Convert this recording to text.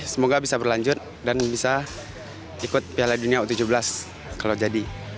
semoga bisa berlanjut dan bisa ikut piala dunia u tujuh belas kalau jadi